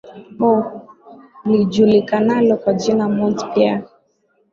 o lijulikanalo kwa jina mont piea